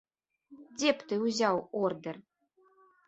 Дзе б ты ўзяў ордэр?